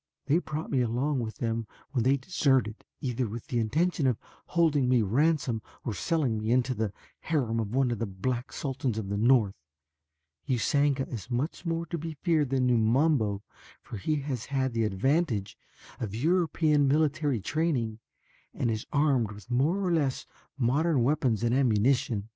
They brought me along with them when they deserted, either with the intention of holding me ransom or selling me into the harem of one of the black sultans of the north. Usanga is much more to be feared than Numabo for he has had the advantage of European military training and is armed with more or less modern weapons and ammunition."